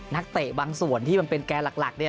นักเตะบางส่วนที่มันเป็นแกร่หลัก